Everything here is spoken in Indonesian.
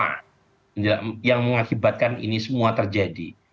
nah penjelasannya apa yang mengakibatkan ini semua terjadi